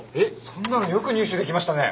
そんなのよく入手できましたね！